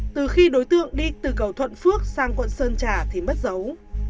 từ khi đối tượng đi từ cầu thuận phước sang quận sơn trà thì mất dấu